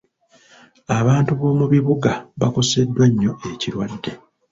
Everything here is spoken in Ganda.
Abantu b'omu bibuga bakoseddwa nnyo ekirwadde